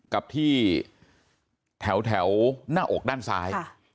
กับที่แถวหน้าอกด้านซ้าย